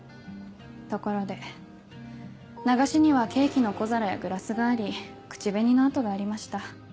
ところで流しにはケーキの小皿やグラスがあり口紅の跡がありました。